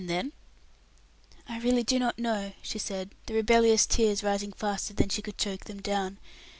"And then?" "I really do not know," she said, the rebellious tears rising faster than she could choke them down.